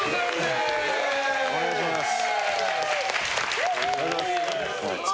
お願いします。